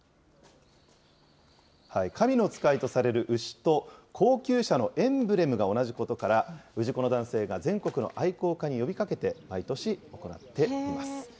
神の使いとされる牛と高級車のエンブレムが同じことから、氏子の男性が、全国の愛好家に呼びかけて毎年行っています。